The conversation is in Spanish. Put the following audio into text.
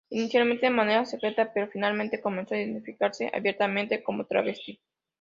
Inicialmente de manera secreta, pero finalmente comenzó a identificarse abiertamente como travesti.